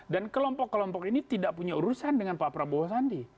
dan kelompok kelompok ini tidak punya urusan dengan pak prabowo sandi